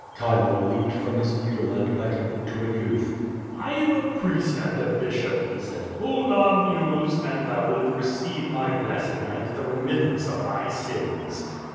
Chilo leaped from his mule and beckoned to a youth. "I am a priest and a bishop," he said. "Hold our mules, and thou wilt receive my blessing and the remittance of thy sins."